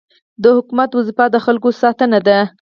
د حکومت دنده د خلکو ساتنه ده.